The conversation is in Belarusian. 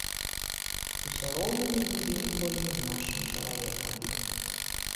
Усё роўна не будзе ніколі ён нашым чалавекам.